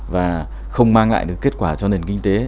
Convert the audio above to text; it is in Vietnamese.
và không mang lại được kết quả cho nền kinh tế